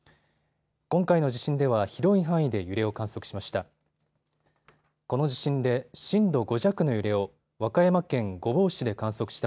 今回の地震では広い範囲で揺れを観測しました。